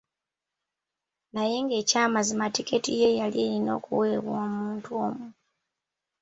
Naye nga ekyamazima tikeeti yali erina kuweebwa muntu omu.